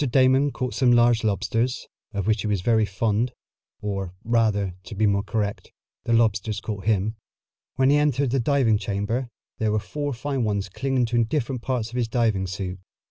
Damon caught some large lobsters, of which he was very fond, or, rather, to be more correct, the lobsters caught him. When he entered the diving chamber there were four fine ones clinging to different parts of his diving suit.